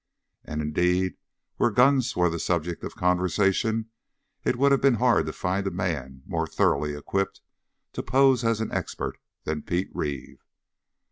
And, indeed, where guns were the subject of conversation it would have been hard to find a man more thoroughly equipped to pose as an expert than Pete Reeve.